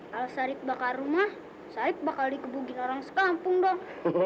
kalau saya bakar rumah saya bakal dikebukin orang sekampung dong